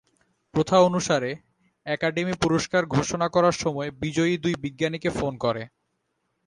প্রথা অনুসারে, অ্যাকাডেমি পুরস্কার ঘোষণা করার সময় বিজয়ী দুই বিজ্ঞানীকে ফোন করে।